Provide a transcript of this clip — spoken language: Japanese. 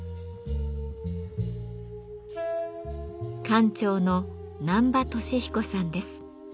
館長の難波敏彦さんです。